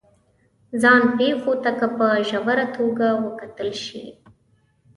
ځان پېښو ته که په ژوره توګه وکتل شي